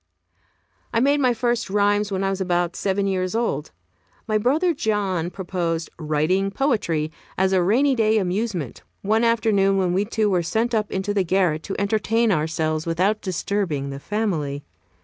I made my first rhymes when I was about seven years old. My brother John proposed "writing poetry" as a rainy day amusement, one afternoon when we two were sent up into the garret to entertain ourselves without disturbing the family.